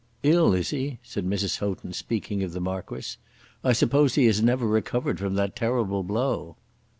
"Ill is he?" said Mrs. Houghton, speaking of the Marquis, "I suppose he has never recovered from that terrible blow."